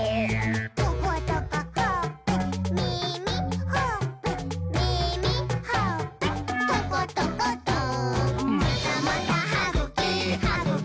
「トコトコほっぺ」「みみ」「ほっぺ」「みみ」「ほっぺ」「トコトコト」「またまたはぐき！はぐき！はぐき！